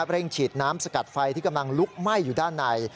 เร่งฉีดน้ำสกัดไฟที่กำลังลุกไหม้อยู่ด้านใน